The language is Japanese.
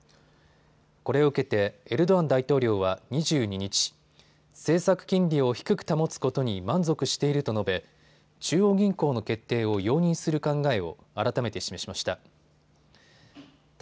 これを受けてエルドアン大統領は２２日、政策金利を低く保つことに満足していると述べ中央銀行の決定を容認する考えを改めて示しました。